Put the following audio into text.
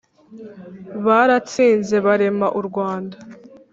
Baratsinze barema u Rwanda